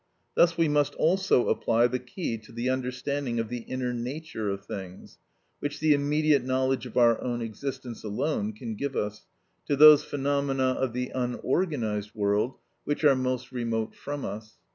Thus we must also apply the key to the understanding of the inner nature of things, which the immediate knowledge of our own existence alone can give us, to those phenomena of the unorganised world which are most remote from us.